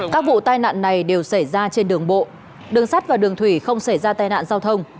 các vụ tai nạn này đều xảy ra trên đường bộ đường sắt và đường thủy không xảy ra tai nạn giao thông